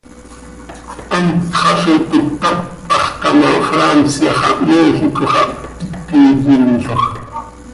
Hant xah zo toc cötap hax ta ma, Francia xah Méjico xah ptiti yinloj.